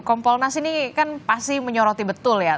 kompolnas ini kan pasti menyoroti betul ya